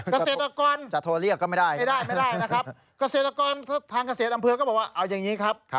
กเศรษฐกรไม่ได้นะครับทางเกษตรอำเภอก็บอกว่าเอาอย่างนี้ครับ